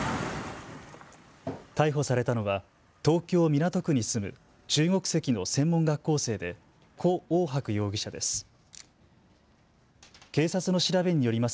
逮捕されたのは東京港区に住む中国籍の専門学校生で胡奥博容疑者です。